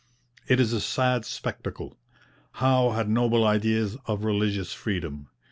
It is a sad spectacle. Howe had noble ideas of religious freedom.